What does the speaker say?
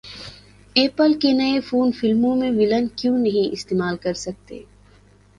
apple کے iPhone فلموں میں ولن کیوں نہیں استعمال کرسکتے